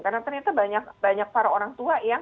karena ternyata banyak para orang tua yang